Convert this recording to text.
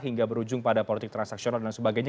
hingga berujung pada politik transaksional dan sebagainya